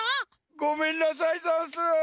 ごめんなさいざんす。